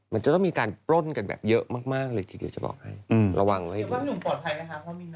มันจะต้องมีการปล้นกันแบบเยอะมากเลยจะบอกให้